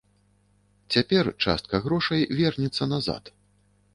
Цяпер частка грошай вернецца назад.